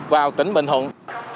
vào tỉnh bình hùng